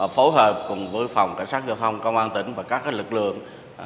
phối hợp cùng với phòng cảnh sát giao thông công an tỉnh và các lực lượng